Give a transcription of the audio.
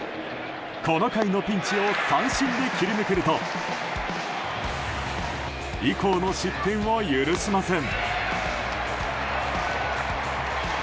この回のピンチを三振で切り抜けると以降の失点を許しません。